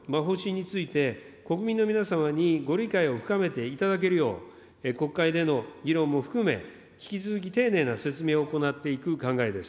こうした内閣の方針について国民の皆様にご理解を深めていただけるよう、国会での議論も含め、引き続き丁寧な説明を行っていく考えです。